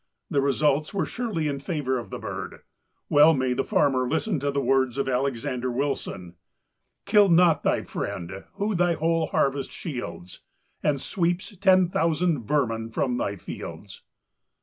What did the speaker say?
The results were surely in favor of the bird. Well may the farmer listen to the words of Alexander Wilson: "Kill not thy friend, who thy whole harvest shields, And sweeps ten thousand vermin from thy fields."